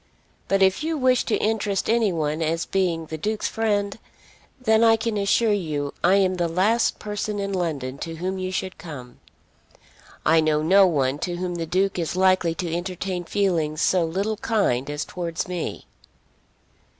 But if you wish to interest any one as being the Duke's friend, then I can assure you I am the last person in London to whom you should come. I know no one to whom the Duke is likely to entertain feelings so little kind as towards me."